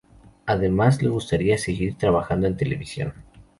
Además, le gustaría seguir trabajando en televisión.